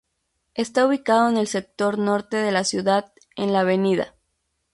Está ubicado en el sector norte de la ciudad, en la Av.